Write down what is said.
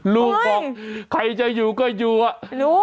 ลูกบอกใครจะอยู่ก็อยู่